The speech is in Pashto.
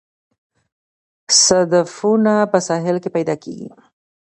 صدفونه په ساحل کې پیدا کیږي